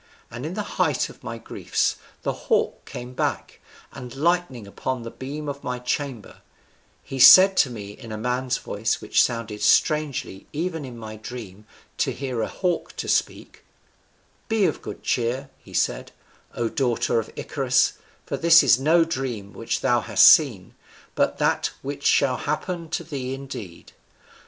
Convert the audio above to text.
And in the height of my griefs the hawk came back, and lighting upon the beam of my chamber, he said to me in a man's voice, which sounded strangely even in my dream, to hear a hawk to speak: 'Be of good cheer,' he said, 'O daughter of Icarius for this is no dream which thou hast seen, but that which shall happen to thee indeed.